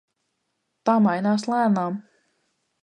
Tā mainās lēnām.